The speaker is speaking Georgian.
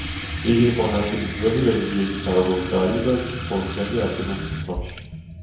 იგი იყო ნაწილი ძველი რელიგიებისა, როგორიცაა: იუდაიზმი, ხოლო დღემდე არსებობს ისლამში.